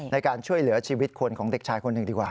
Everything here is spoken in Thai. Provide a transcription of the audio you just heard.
ในการช่วยเหลือชีวิตคนของเด็กชายคนหนึ่งดีกว่า